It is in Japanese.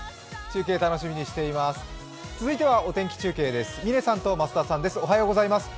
中継楽しみにしています。